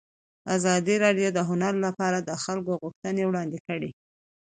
ازادي راډیو د هنر لپاره د خلکو غوښتنې وړاندې کړي.